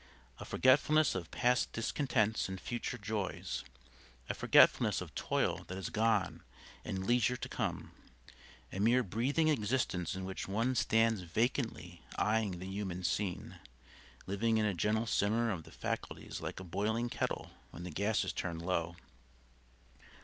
A forgetfulness of past discontents and future joys; a forgetfulness of toil that is gone and leisure to come; a mere breathing existence in which one stands vacantly eyeing the human scene, living in a gentle simmer of the faculties like a boiling kettle when the gas is turned low.